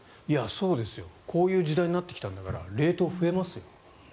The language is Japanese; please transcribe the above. こういう時代になってきたんだから冷凍、増えますよ。